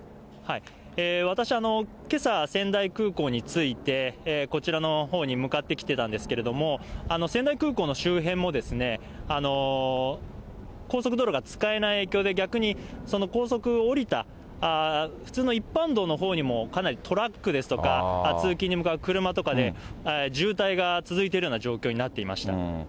私、けさ、仙台空港に着いて、こちらのほうに向かってきてたんですけれども、仙台空港の周辺も、高速道路が使えない影響で、逆に高速降りた、普通の一般道のほうにもかなりトラックですとか通勤に向かう車とかで、渋滞が続いているような状況になっていました。